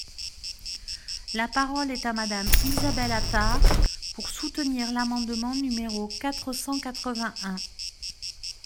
La parole est à Madame Isabelle Attard, pour soutenir l’amendement numéro quatre cent quatre-vingt-un.